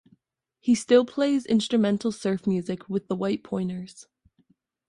He still plays instrumental surf music with The White Pointers.